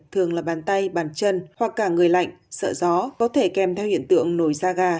thường là bàn tay bàn chân hoặc cả người lạnh sợ gió có thể kèm theo hiện tượng nổi da gà